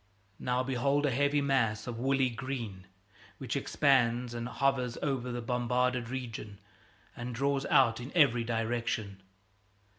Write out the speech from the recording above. Now, behold a heavy mass of woolly green which expands and hovers over the bombarded region and draws out in every direction.